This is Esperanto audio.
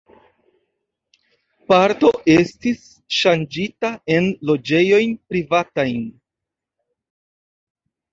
Parto estis ŝanĝita en loĝejojn privatajn.